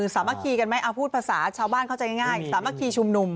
สามารถคีย์กันไหมพูดภาษาชาวบ้านเข้าใจง่ายสามารถคีย์ชุมนุม